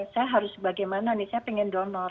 saya harus bagaimana nih saya ingin donor